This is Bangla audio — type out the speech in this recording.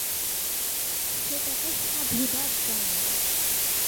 সেটাকে সাধুবাদ জানাই।